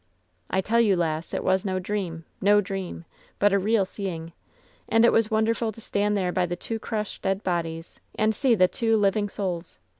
"I tell you, lass, it was no dream, no dream I but a real seeing. And it was wonderful to stand there by the two crushed, dead bodies and see the two living souls.